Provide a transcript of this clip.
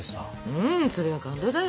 うんそれは感動だよ！